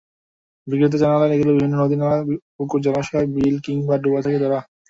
বিক্রেতারা জানালেন, এগুলো বিভিন্ন নদী-নালা, পুকুর, জলাশয়, বিল কিংবা ডোবা থেকে ধরা।